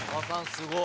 すごい。